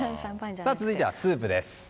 続いてはスープです。